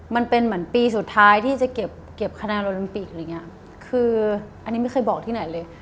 มันเป็นเหมือนปีสุดท้ายที่เก็บคะนายโรลิมปิกหรือไงคืออันนี้ไม่เคยบอกที่ไหนเลย